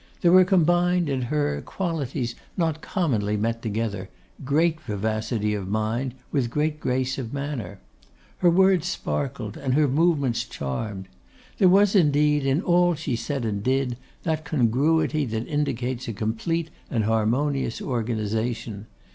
There were combined, in her, qualities not commonly met together, great vivacity of mind with great grace of manner. Her words sparkled and her movements charmed. There was, indeed, in all she said and did, that congruity that indicates a complete and harmonious organisation.